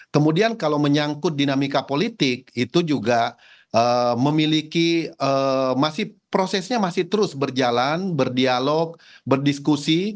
kemudian kalau menyangkut dinamika politik itu juga memiliki masih prosesnya masih terus berjalan berdialog berdiskusi